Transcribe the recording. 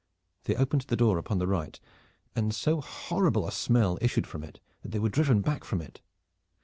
They opened the door upon the right, and so horrible a smell issued from it that they were driven back from it.